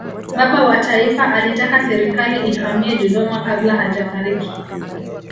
baba wa taifa alitaka serikali ihamie dodoma kabla hajafariki